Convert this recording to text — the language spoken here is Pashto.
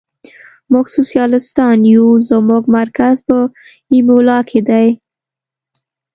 موږ سوسیالیستان یو، زموږ مرکز په ایمولا کې دی.